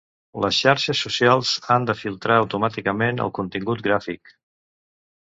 Les xarxes socials han de filtrar automàticament el contingut gràfic.